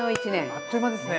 あっという間ですね！